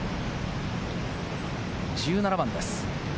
１７番です。